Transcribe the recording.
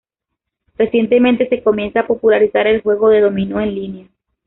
Recientemente se comienza a popularizar el juego de dominó en línea.